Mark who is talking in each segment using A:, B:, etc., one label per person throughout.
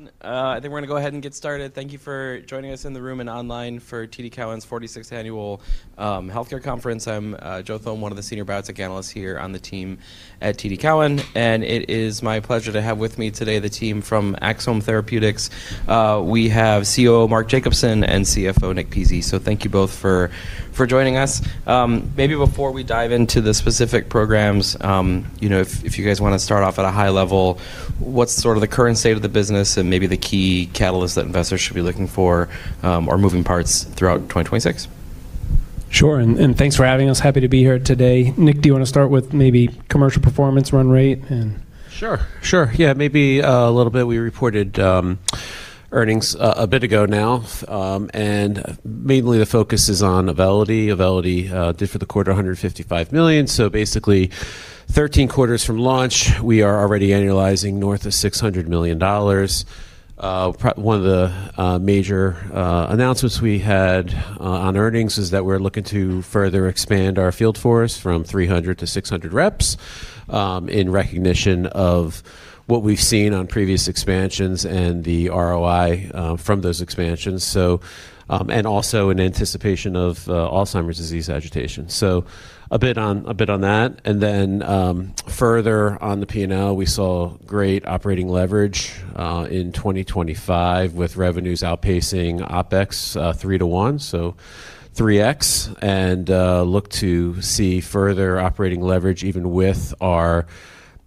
A: Everyone, I think we're gonna go ahead and get started. Thank you for joining us in the room and online for TD Cowen's 46th Annual Healthcare Conference. I'm Joe Thome, one of the senior biotech analysts here on the team at TD Cowen, and it is my pleasure to have with me today the team from Axsome Therapeutics. We have COO Mark Jacobson and CFO Nick Pizzie. Thank you both for joining us. Maybe before we dive into the specific programs, you know, if you guys wanna start off at a high level, what's sort of the current state of the business and maybe the key catalysts that investors should be looking for or moving parts throughout 2026?
B: Sure. Thanks for having us. Happy to be here today. Nick, do you wanna start with maybe commercial performance run rate?
C: Sure. Sure. Yeah, maybe, a little bit. We reported earnings a bit ago now. Mainly the focus is on AUVELITY. AUVELITY did for the quarter $155 million. Basically, 13 quarters from launch, we are already annualizing north of $600 million. One of the major announcements we had on earnings is that we're looking to further expand our field force from 300-600 reps, in recognition of what we've seen on previous expansions and the ROI from those expansions. Also in anticipation of Alzheimer's disease agitation. A bit on that. Further on the P&L, we saw great operating leverage in 2025, with revenues outpacing OpEx three to one, so 3x, look to see further operating leverage even with our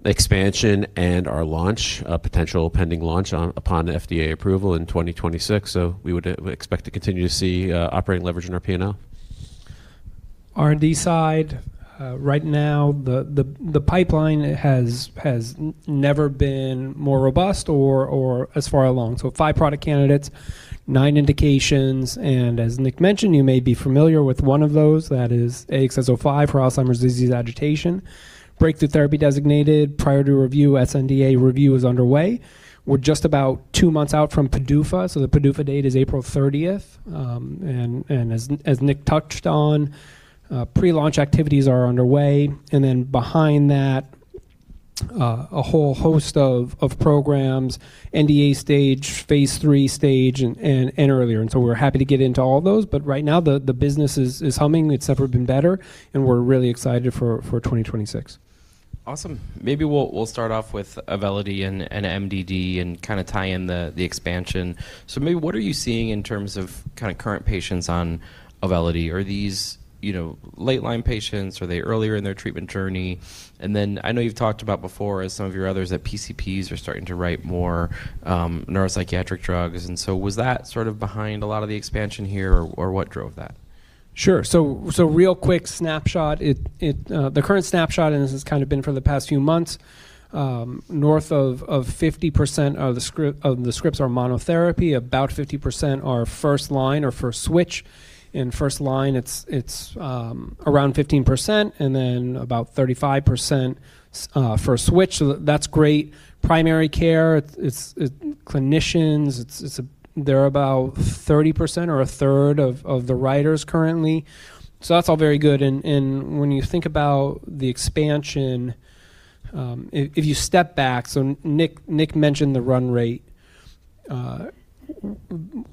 C: expansion and our launch, potential pending launch upon FDA approval in 2026. We would expect to continue to see operating leverage in our P&L.
B: R&D side, right now, the pipeline has never been more robust or as far along. Five product candidates, nine indications, and as Nick mentioned, you may be familiar with one of those, that is AXS-05 for Alzheimer's disease agitation, Breakthrough Therapy designated, priority review, sNDA review is underway. We're just about two months out from PDUFA, the PDUFA date is April thirtieth. As Nick touched on, pre-launch activities are underway. Behind that, a whole host of programs, NDA stage, phase III stage, and earlier. We're happy to get into all those, but right now the business is humming. It's never been better, and we're really excited for 2026.
A: Awesome. Maybe we'll start off with AUVELITY and MDD and kinda tie in the expansion. Maybe what are you seeing in terms of kinda current patients on AUVELITY? Are these, you know, late-line patients? Are they earlier in their treatment journey? I know you've talked about before as some of your others that PCPs are starting to write more neuropsychiatric drugs, was that sort of behind a lot of the expansion here, or what drove that?
B: Sure. real quick snapshot, it, the current snapshot, this has kinda been for the past few months, north of 50% of the scripts are monotherapy, about 50% are first-line or first-switch. In first line, it's around 15%, about 35% first switch, that's great. Primary care clinicians, they're about 30% or a third of the writers currently. That's all very good. When you think about the expansion, if you step back, Nick mentioned the run rate.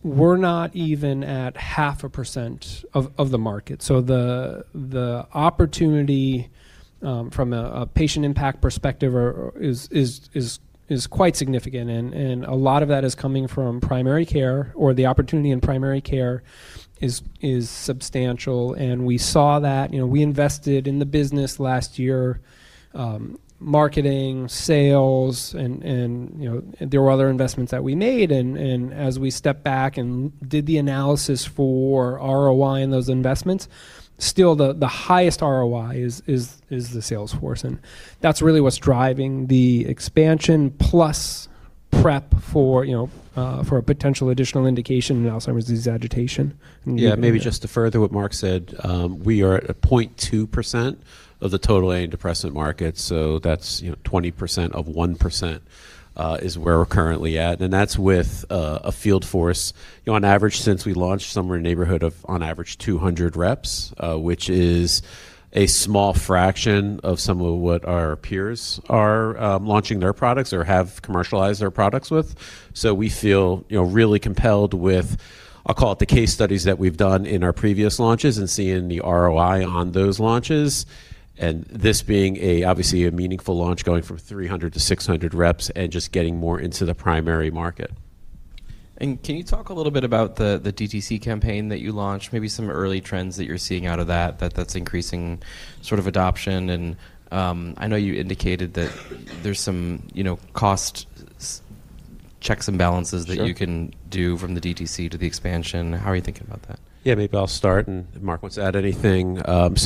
B: We're not even at half a percent of the market. The opportunity, from a patient impact perspective or, is quite significant and a lot of that is coming from primary care, or the opportunity in primary care is substantial. We saw that. You know, we invested in the business last year, marketing, sales, and, you know, there were other investments that we made. As we stepped back and did the analysis for ROI in those investments, still the highest ROI is the sales force. That's really what's driving the expansion plus prep for, you know, for a potential additional indication in Alzheimer's disease agitation.
C: Yeah. Maybe just to further what Mark said, we are at a 0.2% of the total antidepressant market, so that's, you know, 20% of 1%, is where we're currently at. That's with a field force. You know, on average, since we launched, somewhere in the neighborhood of on average 200 reps, which is a small fraction of some of what our peers are launching their products or have commercialized their products with. We feel, you know, really compelled with, I'll call it the case studies that we've done in our previous launches and seeing the ROI on those launches, and this being a obviously a meaningful launch going from 300-600 reps and just getting more into the primary market.
A: Can you talk a little bit about the DTC campaign that you launched, maybe some early trends that you're seeing out of that that's increasing sort of adoption? I know you indicated that there's some, you know, cost Checks and balances.
C: Sure
A: That you can do from the DTC to the expansion. How are you thinking about that?
C: Yeah, maybe I'll start and if Mark wants to add anything.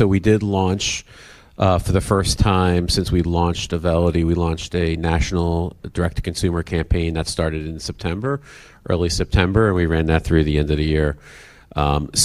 C: We did launch for the first time since we launched AUVELITY, we launched a national direct-to-consumer campaign that started in September, early September, and we ran that through the end of the year.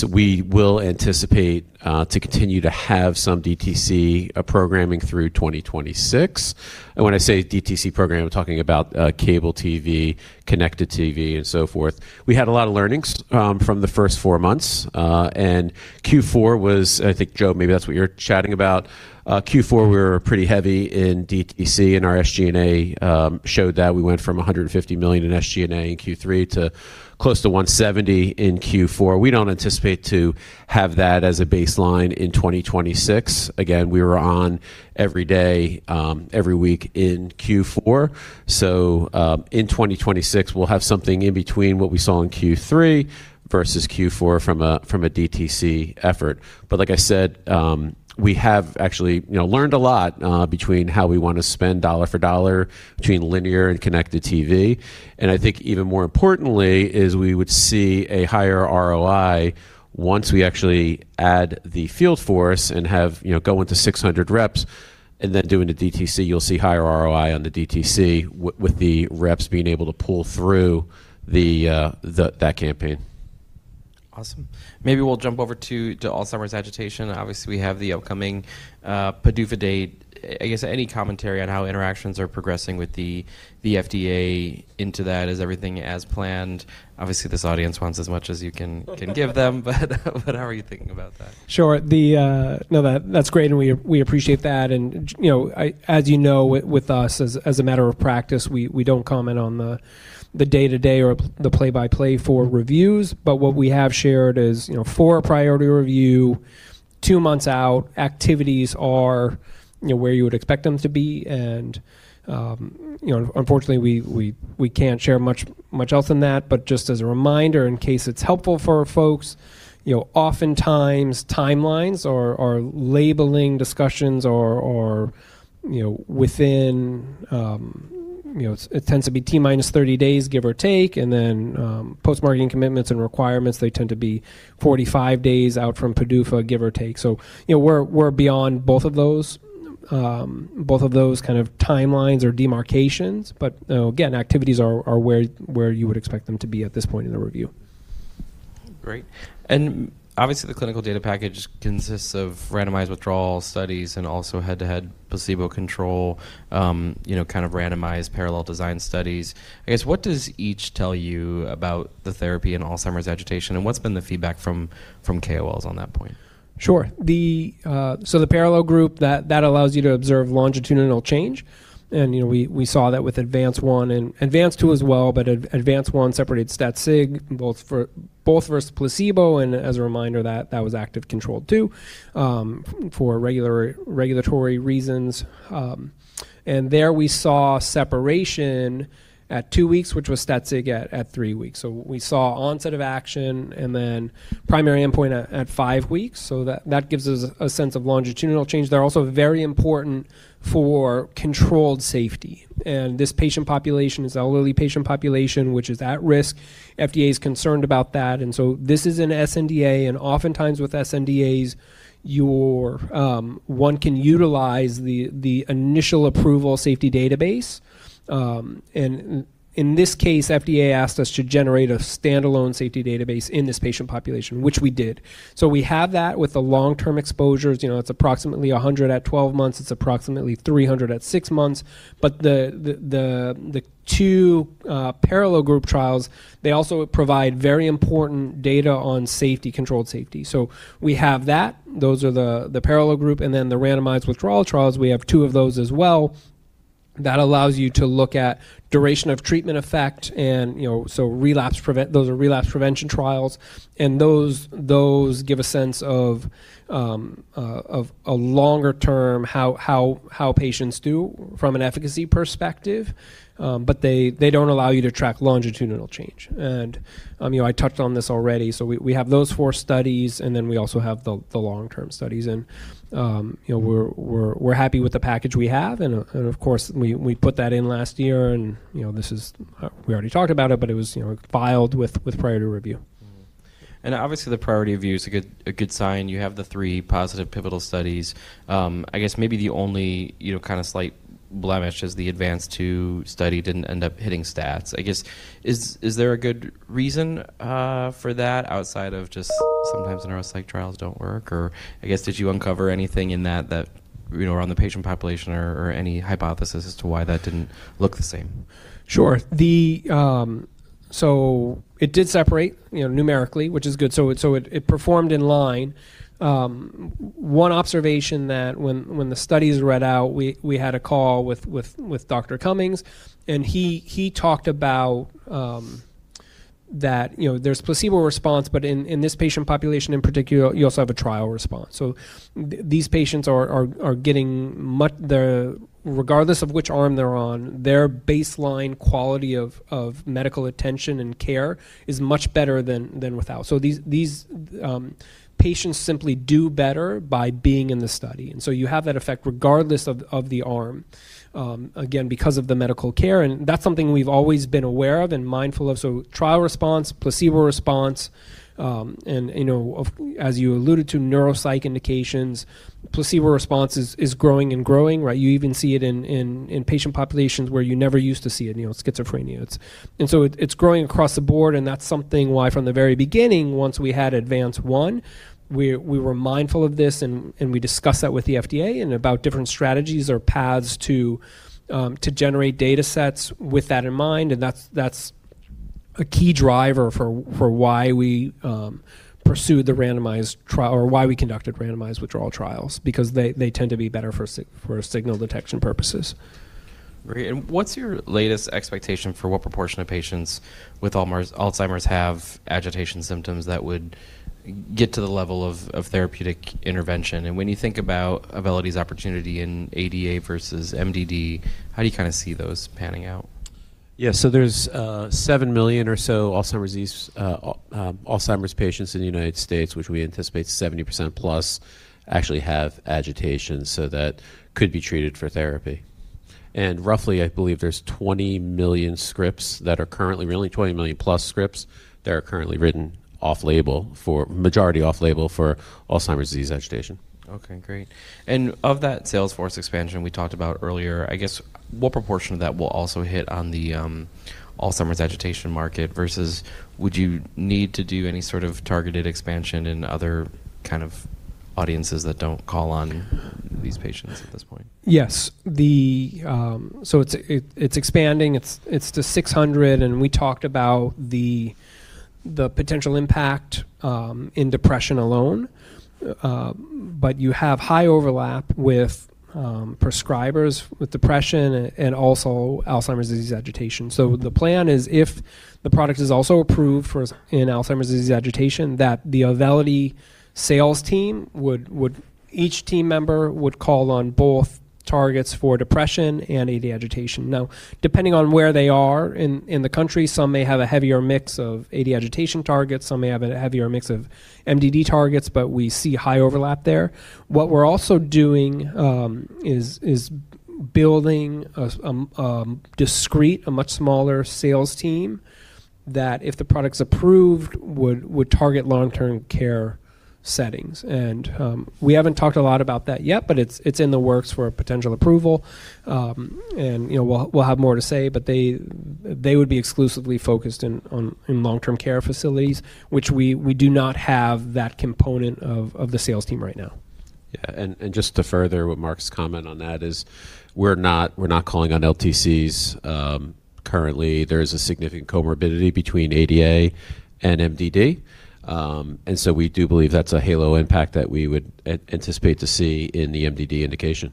C: We will anticipate to continue to have some DTC programming through 2026. When I say DTC program, I'm talking about cable TV, connected TV, and so forth. We had a lot of learnings from the first four months. Q4 was, I think, Joe, maybe that's what you're chatting about. Q4, we were pretty heavy in DTC, and our SG&A showed that. We went from $150 million in SG&A in Q3 to close to $170 million in Q4. We don't anticipate to have that as a baseline in 2026. Again, we were on every day, every week in Q4. In 2026, we'll have something in between what we saw in Q3 versus Q4 from a DTC effort. Like I said, we have actually, you know, learned a lot between how we wanna spend dollar for dollar between linear and connected TV. I think even more importantly is we would see a higher ROI once we actually add the field force and have, you know, go into 600 reps and then doing the DTC, you'll see higher ROI on the DTC with the reps being able to pull through the that campaign.
A: Awesome. Maybe we'll jump over to Alzheimer's agitation. Obviously, we have the upcoming PDUFA date. I guess any commentary on how interactions are progressing with the FDA into that? Is everything as planned? Obviously, this audience wants as much as you can give them. How are you thinking about that?
B: Sure. No, that's great, and we appreciate that. You know, as you know with us, as a matter of practice, we don't comment on the day-to-day or the play-by-play for reviews. What we have shared is, you know, for a priority review, two months out, activities are, you know, where you would expect them to be. You know, unfortunately, we can't share much else than that. Just as a reminder, in case it's helpful for folks, you know, oftentimes timelines or labeling discussions or, you know, within, you know, it tends to be T-minus 30 days, give or take. Then, post-marketing commitments and requirements, they tend to be 45 days out from PDUFA, give or take. You know, we're beyond both of those kind of timelines or demarcations. you know, again, activities are where you would expect them to be at this point in the review.
A: Great. Obviously, the clinical data package consists of randomized withdrawal studies and also head-to-head placebo control, you know, kind of randomized parallel design studies. I guess, what does each tell you about the therapy in Alzheimer's agitation, and what's been the feedback from KOLs on that point?
B: Sure. The so the parallel group, that allows you to observe longitudinal change. You know, we saw that with ADVANCE-1 and ADVANCE-2 as well, but ADVANCE-1 separated stat sig both for versus placebo, and as a reminder that that was active control two, for regulatory reasons. There we saw separation at two weeks, which was stat sig at three weeks. We saw onset of action and then primary endpoint at five weeks. That gives us a sense of longitudinal change. They're also very important for controlled safety. This patient population is elderly population, which is at risk. FDA is concerned about that. This is an sNDA, and oftentimes with sNDAs, your one can utilize the initial approval safety database. And in this case, FDA asked us to generate a standalone safety database in this patient population, which we did. We have that with the long-term exposures. You know, it's approximately 100 at 12 months. It's approximately 300 at six months. The two parallel group trials, they also provide very important data on safety, controlled safety. We have that. Those are the parallel group. Then the randomized withdrawal trials, we have two of those as well. That allows you to look at duration of treatment effect and, you know, those are relapse prevention trials. Those, those give a sense of a longer term, how patients do from an efficacy perspective. They, they don't allow you to track longitudinal change. You know, I touched on this already. We have those four studies, and then we also have the long-term studies. You know, we're happy with the package we have. Of course, we put that in last year and, you know, this is, we already talked about it, but it was, you know, filed with priority review.
A: Obviously, the priority review is a good, a good sign. You have the three positive pivotal studies. I guess maybe the only, you know, kind of slight blemish is the ADvance II study didn't end up hitting stats. I guess, is there a good reason for that outside of just sometimes neuropsych trials don't work? I guess, did you uncover anything in that that, you know, around the patient population or any hypothesis as to why that didn't look the same?
B: Sure. The, so it did separate, you know, numerically, which is good. So it performed in line. One observation that when the studies read out, we had a call with Dr. Cummings, and he talked about. That, you know, there's placebo response, but in this patient population in particular, you also have a trial response. Regardless of which arm they're on, their baseline quality of medical attention and care is much better than without. So these patients simply do better by being in the study. You have that effect regardless of the arm, again, because of the medical care, and that's something we've always been aware of and mindful of. Trial response, placebo response, and, you know, as you alluded to, neuropsych indications, placebo response is growing and growing, right? You even see it in patient populations where you never used to see it, you know, schizophrenia. It's growing across the board, and that's something why from the very beginning, once we had ADVANCE-1, we were mindful of this and we discussed that with the FDA and about different strategies or paths to generate data sets with that in mind. That's, that's a key driver for why we pursued the randomized trial or why we conducted randomized withdrawal trials because they tend to be better for signal detection purposes.
A: Great. What's your latest expectation for what proportion of patients with Alzheimer's have agitation symptoms that would get to the level of therapeutic intervention? When you think about AUVELITY's opportunity in ADA versus MDD, how do you kinda see those panning out?
B: There's 7 million or so Alzheimer's disease patients in the United States, which we anticipate 70%+ actually have agitation, so that could be treated for therapy. Roughly, I believe there's 20 million+ scripts that are currently written majority off label for Alzheimer's disease agitation.
A: Okay, great. Of that sales force expansion we talked about earlier, I guess, what proportion of that will also hit on the Alzheimer's agitation market versus would you need to do any sort of targeted expansion in other kind of audiences that don't call on these patients at this point?
B: Yes. It's expanding. It's to 600, and we talked about the potential impact in depression alone. You have high overlap with prescribers with depression and also Alzheimer's disease agitation. The plan is if the product is also approved in Alzheimer's disease agitation, that the Avalide sales team would call on both targets for depression and AD agitation. Depending on where they are in the country, some may have a heavier mix of AD agitation targets, some may have a heavier mix of MDD targets, we see high overlap there. What we're also doing is building a discrete, a much smaller sales team that if the product's approved, would target long-term care settings. We haven't talked a lot about that yet, but it's in the works for a potential approval. You know, we'll have more to say, but they would be exclusively focused in, on, in long-term care facilities, which we do not have that component of the sales team right now.
C: Yeah. just to further what Mark's comment on that is we're not calling on LTCs. currently, there is a significant comorbidity between ADA and MDD, we do believe that's a halo impact that we would anticipate to see in the MDD indication.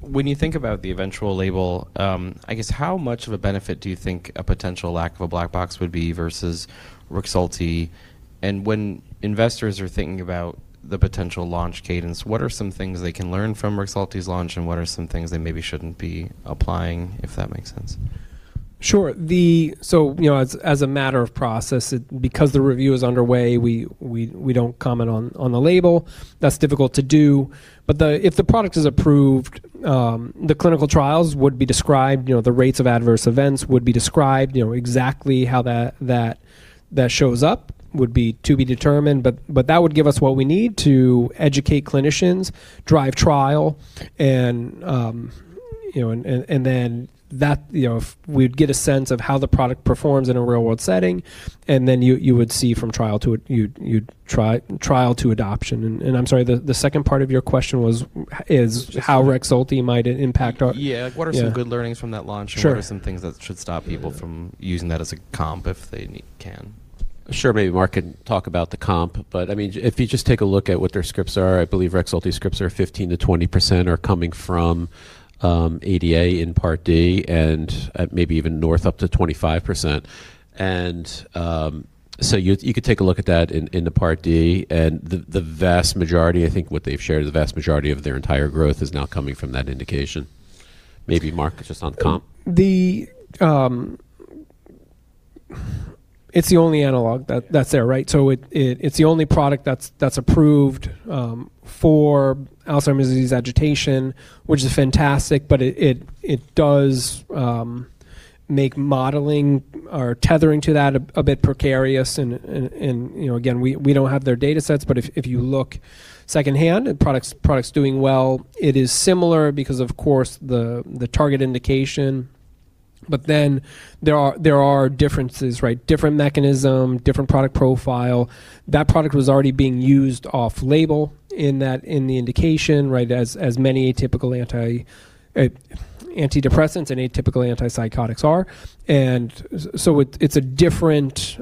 A: When you think about the eventual label, I guess how much of a benefit do you think a potential lack of a black box would be versus Rexulti? When investors are thinking about the potential launch cadence, what are some things they can learn from Rexulti's launch, and what are some things they maybe shouldn't be applying, if that makes sense?
B: Sure. You know, as a matter of process, because the review is underway, we don't comment on the label. That's difficult to do. If the product is approved, the clinical trials would be described, you know, the rates of adverse events would be described, you know, exactly how that shows up would be to be determined, but that would give us what we need to educate clinicians, drive trial, and, you know, and then that, you know, we'd get a sense of how the product performs in a real-world setting, and then you would see from trial to it, you'd try trial to adoption. I'm sorry, the second part of your question was, is how Rexulti might impact our-
A: Yeah.
B: Yeah.
A: What are some good learnings from that launch?
B: Sure.
A: What are some things that should stop people from using that as a comp if they can?
C: Sure. Maybe Mark can talk about the comp. I mean, if you just take a look at what their scripts are, I believe Rexulti scripts are 15%-20% are coming from ADA in Part D and maybe even north up to 25%. So you could take a look at that in the Part D, and the vast majority, I think what they've shared, the vast majority of their entire growth is now coming from that indication. Maybe Mark, just on comp.
B: The it's the only analog that's there, right? It's the only product that's approved for Alzheimer's disease agitation, which is fantastic, but it does make modeling or tethering to that a bit precarious. You know, again, we don't have their data sets, but if you look secondhand at products doing well, it is similar because, of course, the target indication. There are differences, right? Different mechanism, different product profile. That product was already being used off-label in the indication, right, as many atypical antidepressants and atypical antipsychotics are. It's a different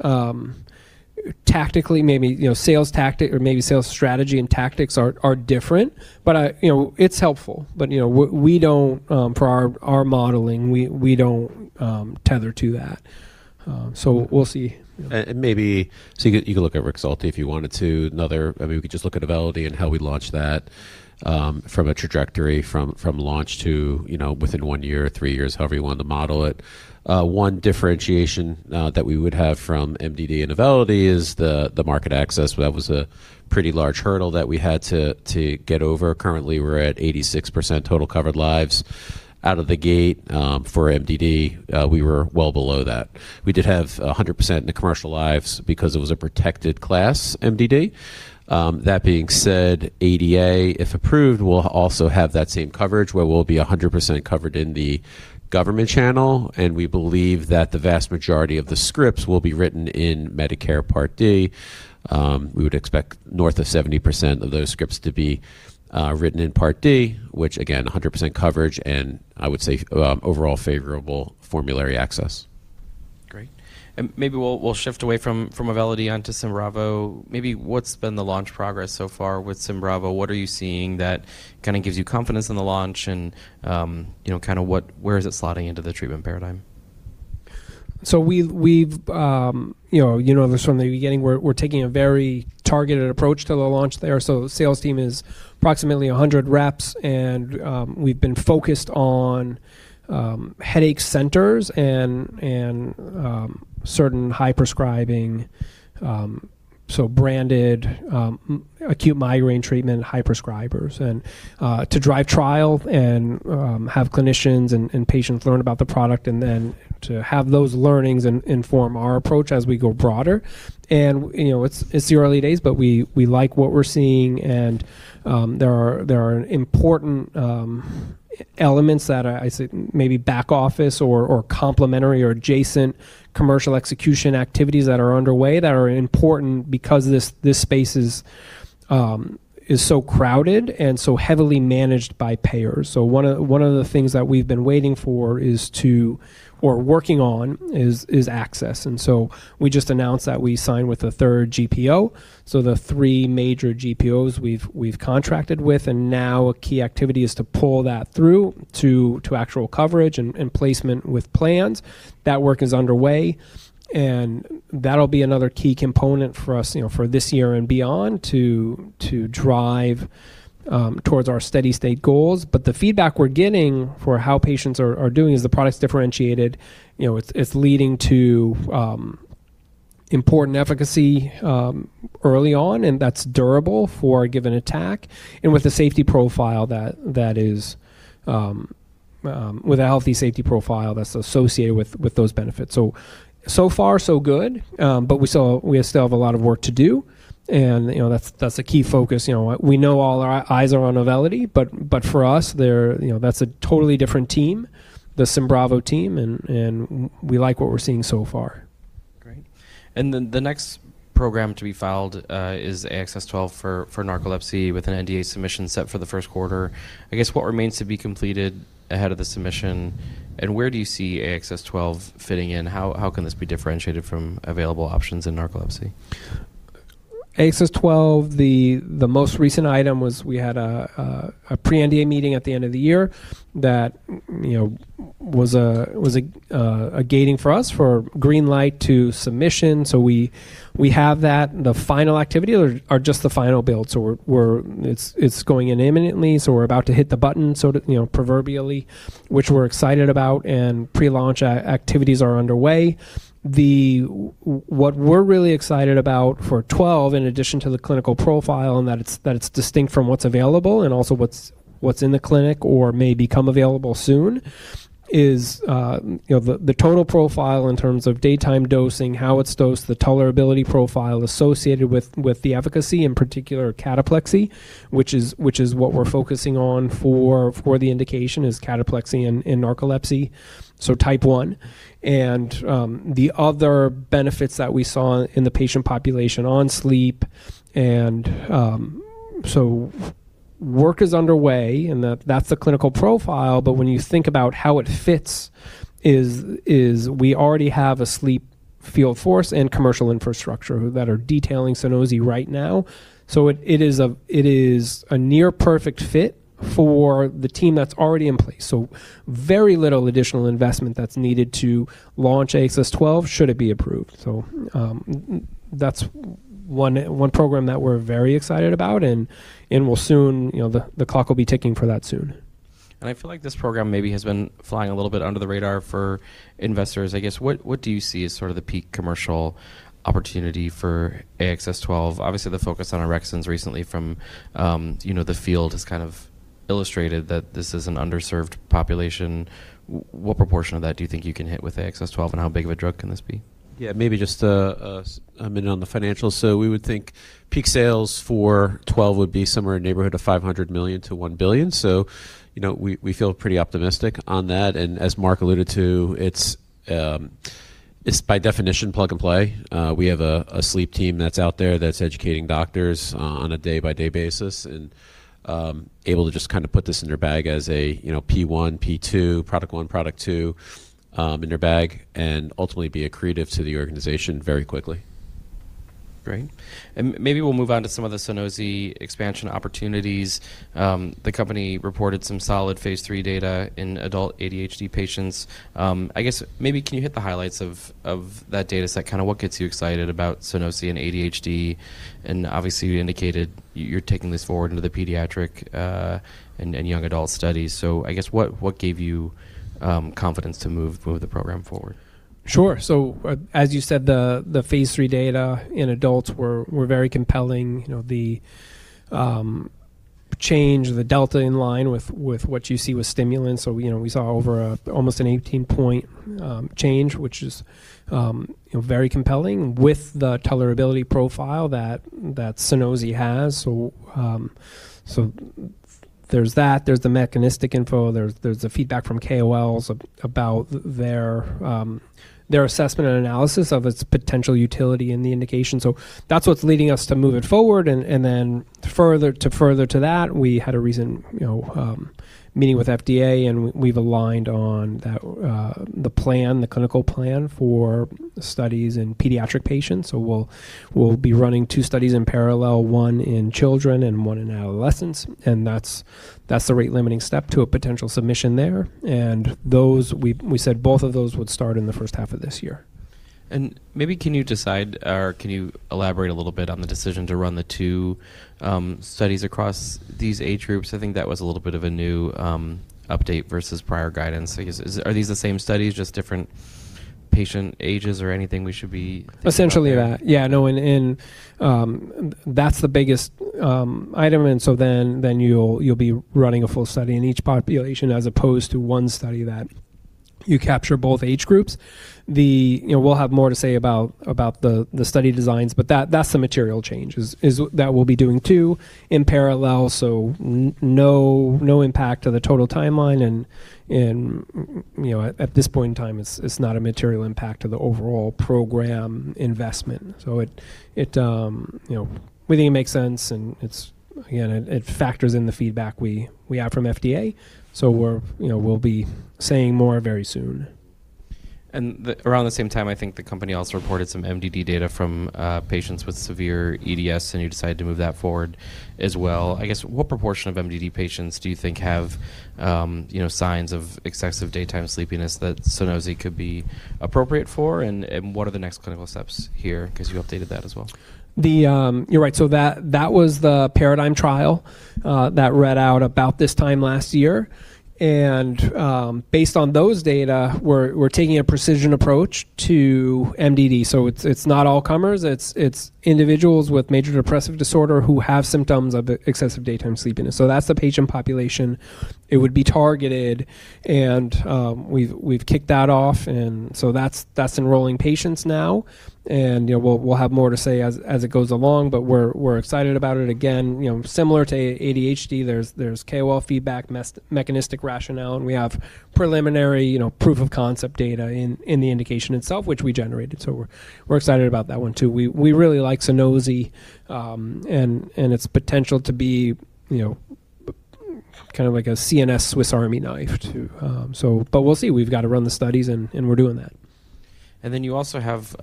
B: tactically, maybe, you know, sales tactic or maybe sales strategy and tactics are different. You know, it's helpful. You know, we don't for our modeling, we don't tether to that. We'll see.
C: Maybe so you could look at Rexulti if you wanted to. I mean, we could just look at AUVELITY and how we launched that from a trajectory from launch to, you know, within one year or three years, however you want to model it. One differentiation that we would have from MDD and AUVELITY is the market access. That was a pretty large hurdle that we had to get over. Currently, we're at 86% total covered lives out of the gate for MDD. We were well below that. We did have 100% in the commercial lives because it was a protected class MDD. That being said, ADA, if approved, will also have that same coverage where we'll be 100% covered in the government channel, and we believe that the vast majority of the scripts will be written in Medicare Part D. We would expect north of 70% of those scripts to be written in Part D, which again, 100% coverage and I would say, overall favorable formulary access.
A: Great. Maybe we'll shift away from AUVELITY onto Simbravo. Maybe what's been the launch progress so far with Simbravo? What are you seeing that kinda gives you confidence in the launch and, you know, where is it slotting into the treatment paradigm?
B: We've, you know, you know this from the beginning, we're taking a very targeted approach to the launch there. The sales team is approximately 100 reps and we've been focused on headache centers and certain high prescribing, so branded, acute migraine treatment high prescribers and to drive trial and have clinicians and patients learn about the product and then to have those learnings inform our approach as we go broader. You know, it's the early days, but we like what we're seeing and there are important elements that are, I say maybe back office or complementary or adjacent commercial execution activities that are underway that are important because this space is so crowded and so heavily managed by payers. One of the things that we've been waiting for is to or working on is access. We just announced that we signed with a third GPO, so the three major GPOs we've contracted with, and now a key activity is to pull that through to actual coverage and placement with plans. That work is underway, and that'll be another key component for us, you know, for this year and beyond to drive towards our steady-state goals. The feedback we're getting for how patients are doing is the product's differentiated. You know, it's leading to important efficacy early on, and that's durable for a given attack and with the safety profile that is with a healthy safety profile that's associated with those benefits. So far so good, but we still have a lot of work to do and, you know, that's a key focus. You know, we know all our eyes are on AUVELITY, but for us, they're, you know, that's a totally different team, the Simbravo team and we like what we're seeing so far.
A: Great. Then the next program to be filed is AXS-12 for narcolepsy with an NDA submission set for the first quarter. I guess what remains to be completed ahead of the submission, and where do you see AXS-12 fitting in? How can this be differentiated from available options in narcolepsy?
B: AXS-12, the most recent item was we had a pre-NDA meeting at the end of the year that, you know, was a gating for us for green light to submission. We have that. The final activity are just the final build. It's going in imminently, so we're about to hit the button, sort of, you know, proverbially, which we're excited about, and pre-launch activities are underway. What we're really excited about for 12, in addition to the clinical profile and that it's distinct from what's available and also what's in the clinic or may become available soon, is, you know, the total profile in terms of daytime dosing, how it's dosed, the tolerability profile associated with the efficacy, in particular cataplexy, which is what we're focusing on for the indication is cataplexy in narcolepsy, so type one. The other benefits that we saw in the patient population on sleep and so work is underway and that's the clinical profile. When you think about how it fits is we already have a sleep field force and commercial infrastructure that are detailing SUNOSI right now. It is a near perfect fit for the team that's already in place. Very little additional investment that's needed to launch AXS-12 should it be approved. That's one program that we're very excited about and will soon, you know, the clock will be ticking for that soon.
A: I feel like this program maybe has been flying a little bit under the radar for investors. I guess, what do you see as sort of the peak commercial opportunity for AXS-12? Obviously, the focus on Orexins recently from, you know, the field has kind of illustrated that this is an underserved population. What proportion of that do you think you can hit with AXS-12, and how big of a drug can this be?
C: Yeah, maybe just a minute on the financials. We would think peak sales for 12 would be somewhere in the neighborhood of $500 million-$1 billion. You know, we feel pretty optimistic on that. As Mark alluded to, it's by definition plug and play. We have a sleep team that's out there that's educating doctors on a day-by-day basis and able to just kinda put this in their bag as a, you know, P one, P two, product one, product two, in their bag and ultimately be accretive to the organization very quickly.
A: Great. Maybe we'll move on to some of the Sunosi expansion opportunities. The company reported some solid phase III data in adult ADHD patients. I guess maybe can you hit the highlights of that data set? Kinda what gets you excited about Sunosi and ADHD? Obviously, you indicated you're taking this forward into the pediatric, and young adult studies. I guess what gave you confidence to move the program forward?
B: Sure. As you said, the phase III data in adults were very compelling. You know, the change, the delta in line with what you see with stimulants. You know, we saw over almost an 18-point change, which is, you know, very compelling with the tolerability profile that Sunosi has. There's that. There's the mechanistic info. There's the feedback from KOLs about their assessment and analysis of its potential utility in the indication. That's what's leading us to move it forward. Then to further to that, we had a recent, you know, meeting with FDA, and we've aligned on that, the plan, the clinical plan for studies in pediatric patients. We'll be running two studies in parallel, one in children and one in adolescents, and that's the rate-limiting step to a potential submission there. Those, we said both of those would start in the first half of this year.
A: Maybe can you decide or can you elaborate a little bit on the decision to run the two studies across these age groups? I think that was a little bit of a new update versus prior guidance. I guess Are these the same studies, just different patient ages or anything we should be thinking about there?
B: Essentially that. Yeah. No. That's the biggest item and so then you'll be running a full study in each population as opposed to one study that you capture both age groups. The, you know, we'll have more to say about the study designs, but that's the material change is that we'll be doing two in parallel, so no impact to the total timeline, and, you know, at this point in time, it's not a material impact to the overall program investment. It, you know, we think it makes sense, and it's, again, it factors in the feedback we have from FDA. We're, you know, we'll be saying more very soon.
A: Around the same time, I think the company also reported some MDD data from patients with severe EDS, and you decided to move that forward as well. I guess what proportion of MDD patients do you think have, you know, signs of excessive daytime sleepiness that Sunosi could be appropriate for? What are the next clinical steps here, 'cause you updated that as well?
B: You're right. That was the PARADIGM trial that read out about this time last year. Based on those data, we're taking a precision approach to MDD. It's not all comers. It's individuals with major depressive disorder who have symptoms of excessive daytime sleepiness. That's the patient population. It would be targeted, we've kicked that off, that's enrolling patients now. You know, we'll have more to say as it goes along, but we're excited about it. Again, you know, similar to ADHD, there's KOL feedback, mechanistic rationale, and we have preliminary, you know, proof of concept data in the indication itself, which we generated. We're excited about that one too. We really like Sunosi, and its potential to be, you know, kind of like a CNS Swiss Army knife to. We'll see. We've got to run the studies, and we're doing that.
A: You also have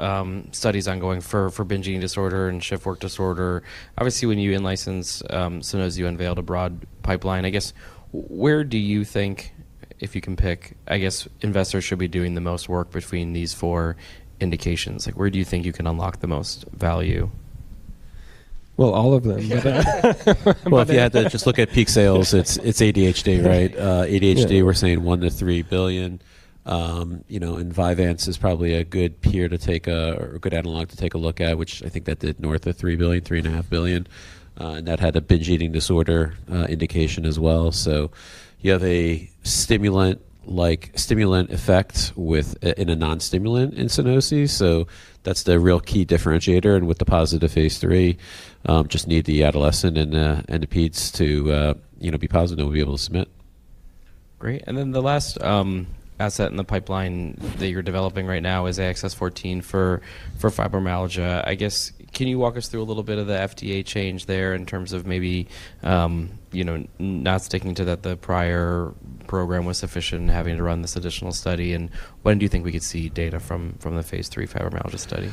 A: studies ongoing for binge eating disorder and shift work disorder. Obviously, when you in-license Sunosi, you unveiled a broad pipeline. I guess where do you think, if you can pick, I guess investors should be doing the most work between these four indications? Like, where do you think you can unlock the most value?
B: All of them.
C: If you had to just look at peak sales, it's ADHD, right? ADHD, we're saying $1 billion-$3 billion. You know, Vyvanse is probably a good peer to take a good analog to take a look at, which I think that did north of $3 billion, $3.5 billion. That had a binge eating disorder indication as well. You have a stimulant-like, stimulant effect with a, in a non-stimulant in Sunosi, that's the real key differentiator. With the positive phase III, just need the adolescent and the peds to, you know, be positive, we'll be able to submit.
A: Great. Then the last asset in the pipeline that you're developing right now is AXS-14 for fibromyalgia. I guess can you walk us through a little bit of the FDA change there in terms of maybe, you know, not sticking to that the prior program was sufficient and having to run this additional study? When do you think we could see data from the phase III fibromyalgia study?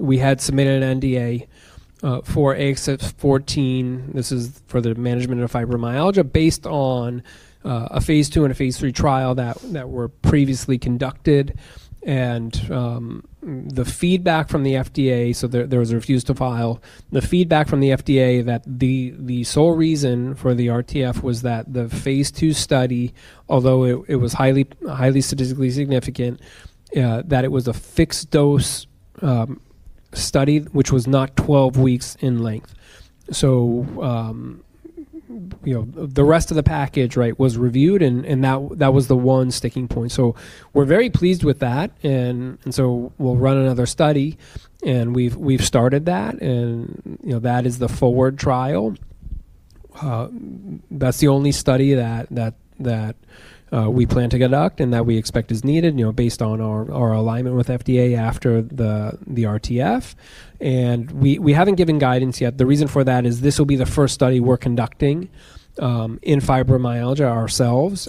B: We had submitted an NDA for AXS-14. This is for the management of fibromyalgia based on a phase II and a phase III trial that were previously conducted. The feedback from the FDA, there was a refuse to file. The feedback from the FDA that the sole reason for the RTF was that the phase II study, although it was highly statistically significant, that it was a fixed-dose study, which was not 12 weeks in length. You know, the rest of the package, right, was reviewed, and that was the one sticking point. We'll run another study, and we've started that, and, you know, that is the FORWARD trial. That's the only study that we plan to conduct and that we expect is needed, you know, based on our alignment with FDA after the RTF. We haven't given guidance yet. The reason for that is this will be the first study we're conducting in fibromyalgia ourselves,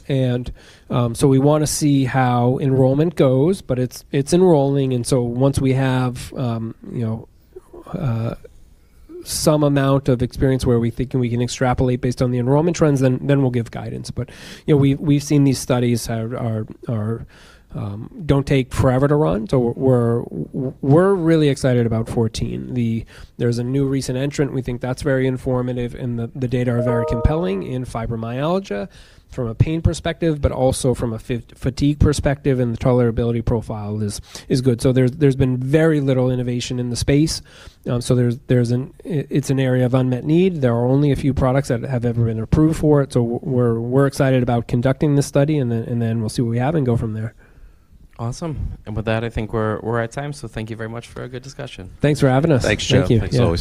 B: so we wanna see how enrollment goes, but it's enrolling, once we have, you know, some amount of experience where we think, and we can extrapolate based on the enrollment trends, then we'll give guidance. You know, we've seen these studies don't take forever to run, so we're really excited about 14. There's a new recent entrant. We think that's very informative, the data are very compelling in fibromyalgia from a pain perspective, but also from a fatigue perspective, the tolerability profile is good. There's been very little innovation in the space. It's an area of unmet need. There are only a few products that have ever been approved for it. We're excited about conducting this study, then we'll see what we have and go from there.
A: Awesome. With that, I think we're at time. Thank you very much for a good discussion.
B: Thanks for having us.
C: Thanks, Joe.
B: Thank you. Yeah.